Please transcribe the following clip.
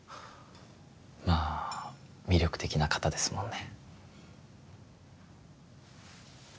まあ魅力的な方ですもんね